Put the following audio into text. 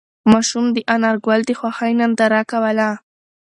ماشوم د انارګل د خوښۍ ننداره کوله.